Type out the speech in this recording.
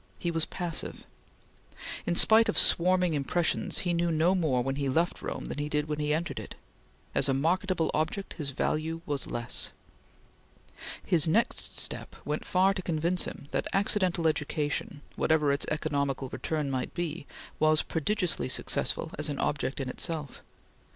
He was passive. In spite of swarming impressions he knew no more when he left Rome than he did when he entered it. As a marketable object, his value was less. His next step went far to convince him that accidental education, whatever its economical return might be, was prodigiously successful as an object in itself.